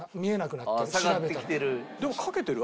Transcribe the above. でもかけてる？